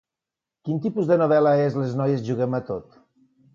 Quin tipus de novel·la és "Les noies juguem a tot!"?